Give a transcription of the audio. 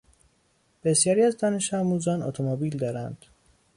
بسیاری از دانش آموزان اتومبیل دارند.